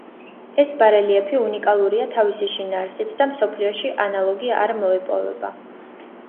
ეს ბარელიეფი უნიკალურია თავისი შინაარსით და მსოფლიოში ანალოგი არ მოეპოვება.